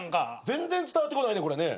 全然伝わってこないね。